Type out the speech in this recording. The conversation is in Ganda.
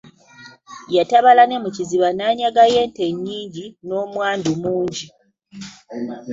Yatabaala ne mu Kiziba n'anyagayo ente nnyingi n'omwandu mungi.